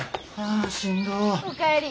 お帰り。